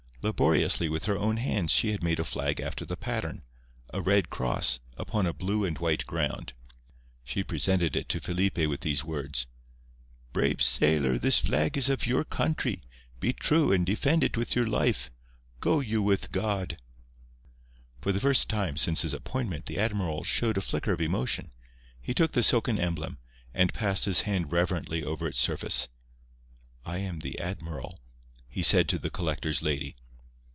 Laboriously with her own hands she had made a flag after the pattern—a red cross upon a blue and white ground. She presented it to Felipe with these words: "Brave sailor, this flag is of your country. Be true, and defend it with your life. Go you with God." For the first time since his appointment the admiral showed a flicker of emotion. He took the silken emblem, and passed his hand reverently over its surface. "I am the admiral," he said to the collector's lady.